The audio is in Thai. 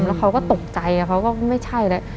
แล้วเขาก็ตกใจเขาก็ไม่ใช่แล้ว